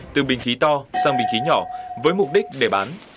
từ bình khí to sang bình khí nhỏ với mục đích để bán